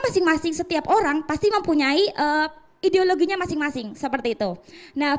masing masing setiap orang pasti mempunyai ideologinya masing masing seperti itu nah